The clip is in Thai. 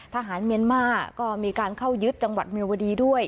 ทหารเมียนมาร์ก็มีการเข้ายึดจังหวัดเมียวดีด้วย